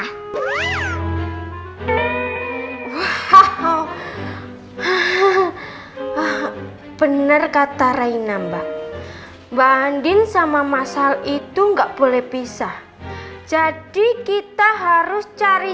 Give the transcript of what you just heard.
hahaha bener kata raina mbak mbak andin sama masal itu nggak boleh pisah jadi kita harus cari